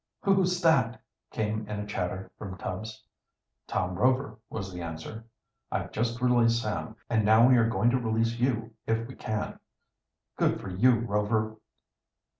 "Who's that?" came in a chatter from Tubbs. "Tom Rover," was the answer. "I've just released Sam, and now we are going to release you, if we can." "Good for you Rover."